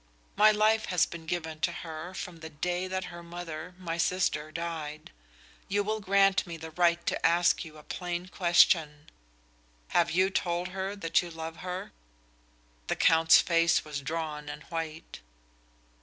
My life has been given to her from the day that her mother, my sister, died. You will grant me the right to ask you a plain question. Have you told her that you love her?" The Count's face was drawn and white.